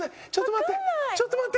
ちょっと待って！